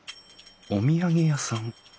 お土産屋さん？